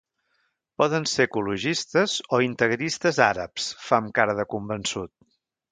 Poden ser ecologistes o integristes àrabs, fa amb cara de convençut.